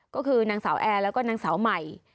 ก็คือนางสาวแอร์แล้วก็นางสาวใหม่